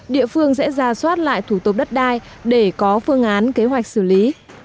địa phương sẽ ra soát lại thủ tục đất đai để có phương án kế hoạch xử lý